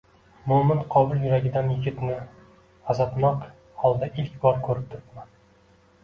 Mo`min-qobil yuradigan yigitni g`azabnok holda ilk bor ko`rib turibman